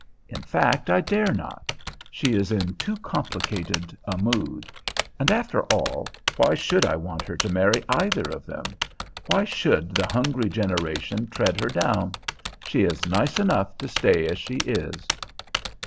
In fact, I dare not; she is in too complicated a mood. And, after all, why should I want her to marry either of them? Why should the "hungry generations" tread her down? She is nice enough to stay as she is.